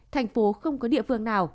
thành phố không có địa phương nào